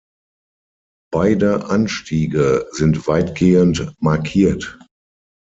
Beide Anstiege sind weitgehend markiert.